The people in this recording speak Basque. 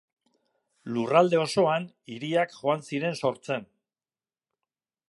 Lurralde osoan hiriak joan ziren sortzen.